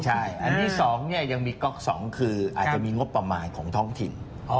อันที่๒ยังมีก๊อก๒คืออาจจะมีงบประมาณของท้องถิ่น